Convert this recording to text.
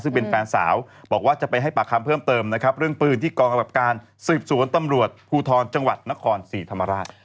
ซึ่งเป็นแฟนสาวบอกว่าจะไปให้ปากคำเพิ่มเติมนะครับเรื่องปืนที่กองกำกับการสืบสวนตำรวจภูทรจังหวัดนครศรีธรรมราช